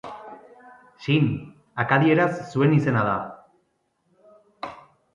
Sin, akadieraz zuen izena da.